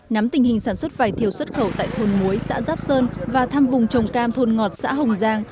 nắm tình hình sản xuất vải thiều xuất khẩu tại thôn muối xã giáp sơn và thăm vùng trồng cam thôn ngọt xã hồng giang